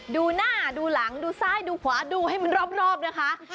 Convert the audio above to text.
ดูหน้าดูหลังดูซ้ายดูขวาดูให้มันรอบนะคะ